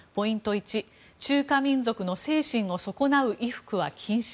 １中華民族の精神を損なう衣服は禁止。